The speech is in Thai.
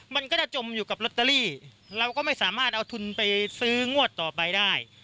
มันก็จะจมอยู่กับลอตเตอรี่เราก็ไม่สามารถเอาทุนไปซื้องวดต่อไปได้